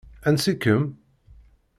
Ansi-kem.